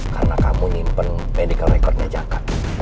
karena kamu nyimpen medical recordnya jakat